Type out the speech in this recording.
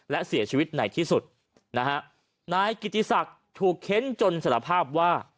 และเสียชีวิตในที่สุดนะฮะนายกิติศักดิ์ถูกเค้นจนสารภาพว่า